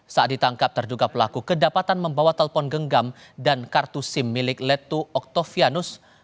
saat ditangkap terduga pelaku kedapatan membawa telpon genggam dan kartu sim milik letu oktovianus